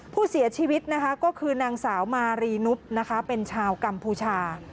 ผู้เสียชีวิตนะคะก็คือนางสาวมารีนุษย์นะคะเป็นชาวกัมพูชา